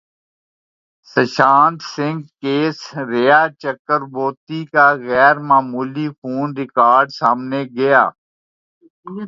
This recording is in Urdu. سشانت سنگھ کیس ریا چکربورتی کا غیر معمولی فون ریکارڈ سامنے گیا